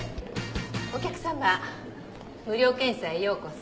お客様無料検査へようこそ。